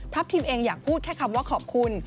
ทีมเองอยากพูดแค่คำว่าขอบคุณ